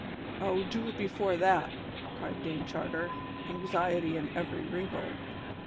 "Oh, do it before that!" cried Dame Charter, anxiety in every wrinkle.